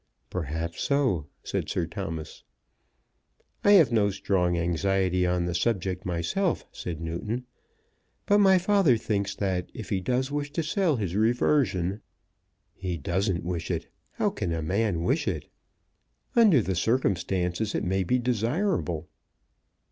"Perhaps so," said Sir Thomas. "I have no strong anxiety on the subject myself," said Newton; "but my father thinks that if he does wish to sell his reversion " "He doesn't wish it. How can a man wish it?" "Under the circumstances it may be desirable."